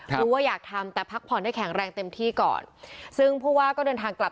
รู้ว่าอยากทำแต่พักผ่อนได้แข็งแรงเต็มที่ก่อนซึ่งผู้ว่าก็เดินทางกลับ